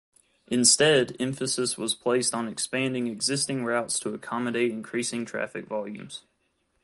Instead, emphasis was placed on expanding existing routes to accommodate increasing traffic volumes.